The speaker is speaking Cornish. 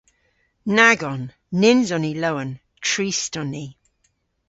Nag on. Nyns on ni lowen, trist on ni.